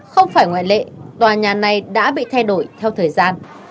không phải ngoại lệ tòa nhà này đã bị thay đổi theo thời gian